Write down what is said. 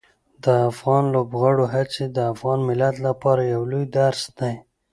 د افغان لوبغاړو هڅې د افغان ملت لپاره یو لوی درس دي.